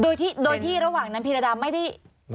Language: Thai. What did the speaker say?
โดยที่ระหว่างนั้นพิรดาไม่ได้